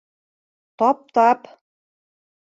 Тап, тап!